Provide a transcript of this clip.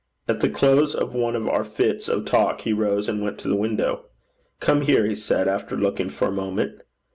At the close of one of our fits of talk, he rose and went to the window. 'Come here,' he said, after looking for a moment.